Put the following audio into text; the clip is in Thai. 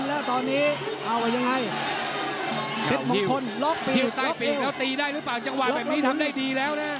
หิวหิวใต้ปีแล้วตีได้หรือเปล่าจังหวานแบบนี้ทำได้ดีแล้วน่ะ